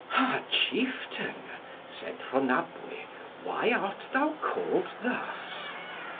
"Ha, chieftain," said Rhonabwy, "why art thou called thus?"